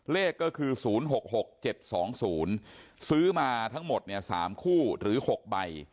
เลขก็คือ๐๖๖๗๒๐ซื้อมาทั้งหมด๓คู่หรือ๖ใบ